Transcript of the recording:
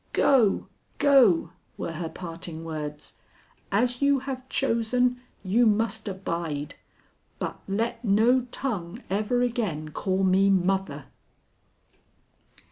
'Go! go!' were her parting words. 'As you have chosen, you must abide. But let no tongue ever again call me mother.'